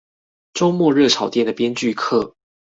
週末熱炒店的編劇課